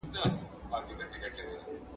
هغوی په ټولګي کي په لوړ ږغ خبرې کولي.